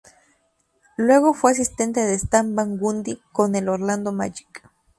Luego fue asistente de Stan Van Gundy con el Orlando Magic.